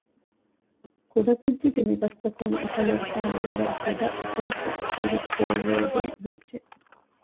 ކުޑަކުއްޖެއްގެ މިބަސްތަކުން އެކަލޭގެފާނަށް ވަރަށްބޮޑަށް އަސަރުކޮށް ކީރިތި ކުރެއްވޭގޮތް ވެއްޖެ